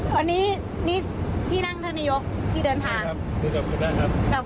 วันนี้นี่ที่นั่งท่านนายกที่เดินทาง